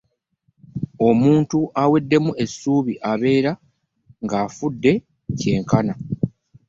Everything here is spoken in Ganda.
Omuntu aweddemu essuubi abeera ng'afudde kyenkana.